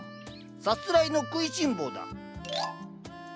さすらいの食いしん坊だ。